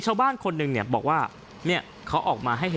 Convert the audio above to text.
การหายมาให้